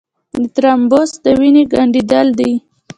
د ترومبوس د وینې ګڼېدل دي.